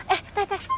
eh teh teh